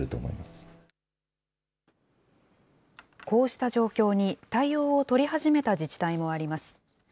こうした状況に、対応を取り始めた自治体もあります。